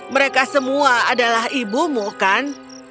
mereka semua adalah ibumu kan